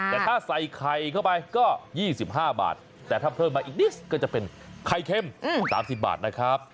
แต่ถ้าใส่ไข่เข้าไปก็๒๕บาทแต่ถ้าเพิ่มมาอีกนิดก็จะเป็นไข่เค็ม๓๐บาทนะครับ